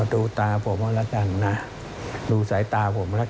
ดูตาผมเอาละกันนะดูสายตาผมแล้วกัน